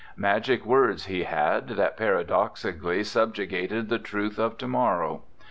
Magic words he had, that paradoxically sub jugated the truths of to morrow.